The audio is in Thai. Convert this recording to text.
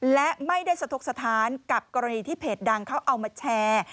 และไม่ได้สะทกสถานกับกรณีที่เพจดังเขาเอามาแชร์